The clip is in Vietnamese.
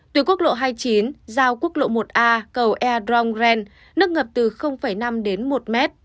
tuyến quốc lộ hai mươi chín giao quốc lộ một a cầu air drongren nước ngập từ năm đến một mét